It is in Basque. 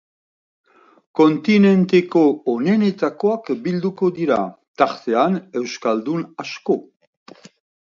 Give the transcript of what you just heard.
Kontinenteko onenetakoak bilduko dira, tartean euskaldun asko.